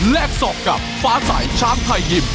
แลกสอบกับฟ้าสายช้างไทยยิ่ม